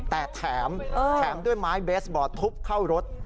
แต่แถมแถมด้วยไม้เบสบอลทุบเข้ารถ